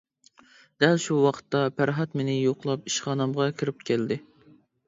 دەل شۇ ۋاقىتتا پەرھات مېنى يوقلاپ ئىشخانامغا كىرىپ كەلدى.